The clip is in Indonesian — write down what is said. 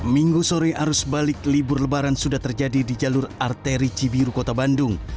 minggu sore arus balik libur lebaran sudah terjadi di jalur arteri cibiru kota bandung